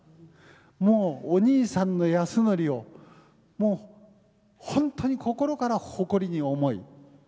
もうお兄さんの安典をもう本当に心から誇りに思い。